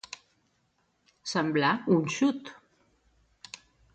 Semblar un xut.